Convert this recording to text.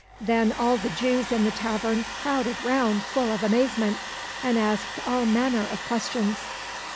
Then all the Jews in the tavern crowded round full of amazement, and asked all manner of questions.